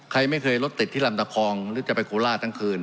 ใครไม่เคยรถติดที่ลำตะคองหรือจะไปโคราชทั้งคืน